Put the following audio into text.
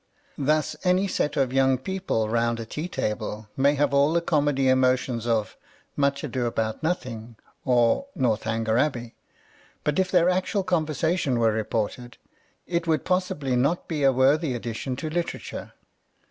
Thus any set of young people rou.id a tea table may have all the comedy emotions of " Much Ado about Nothing" or" Northanger Abbey," but if their actual conversation were reported, it would pos sibly not be a worthy addition to litera tire.